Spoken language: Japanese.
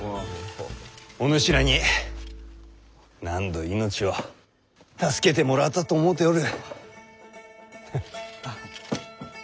お主らに何度命を助けてもらったと思うておる。